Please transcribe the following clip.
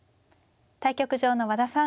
対局場の和田さん